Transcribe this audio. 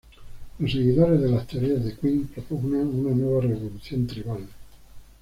Los seguidores de las teorías de Quinn propugnan una "nueva revolución tribal".